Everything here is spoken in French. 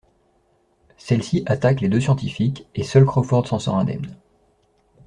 Celles-ci attaquent les deux scientifiques et seul Crawford s'en sort indemne.